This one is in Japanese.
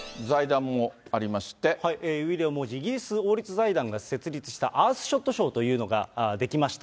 ウィリアム王子、イギリス王立財団が設立したアースショット賞というのが出来ました。